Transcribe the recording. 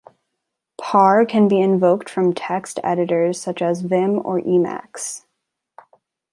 Par can be invoked from text editors such as Vim or Emacs.